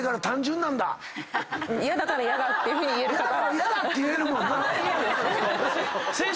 嫌だから嫌だって言えるもんな。